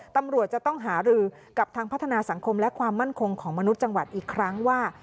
ตำรวจจะต้องหารือกับทางพัฒนาสังคมและความมั่นคงของมนุษย์จังหวัดอีกครั้งว่า